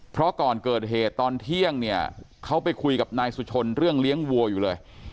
เพราะก่อนเกิดเหตุตอนเที่ยงเนี่ยเขาไปคุยกับนายสุชนเรื่องเลี้ยงวัวอยู่เลย